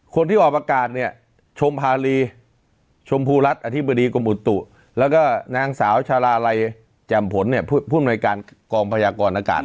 คนที่ออกอากาศเนี่ยชมภารีชมพูรัฐอธิบดีกรมอุตุแล้วก็นางสาวชาลาลัยแจ่มผลเนี่ยผู้อำนวยการกองพยากรอากาศ